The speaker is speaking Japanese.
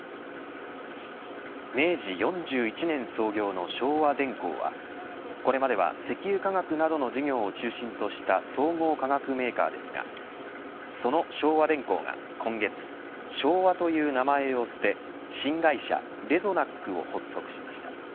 明治４１年創業の昭和電工はこれまでは石油化学などの事業を中心とした総合化学メーカーですがその昭和電工が、今月昭和という名前を捨て新会社レゾナックを発足しました。